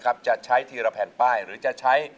กับเพลงที่๑ของเรา